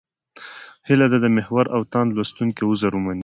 هیله ده د محور او تاند لوستونکي عذر ومني.